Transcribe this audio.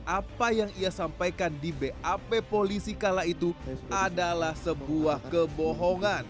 apa yang ia sampaikan di bap polisi kala itu adalah sebuah kebohongan